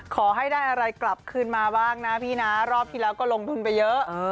ขอให้ได้อะไรกลับคืนมาบ้างนะพี่นะรอบที่แล้วก็ลงทุนไปเยอะ